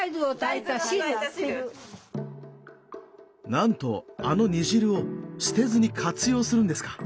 なんとあの煮汁を捨てずに活用するんですか。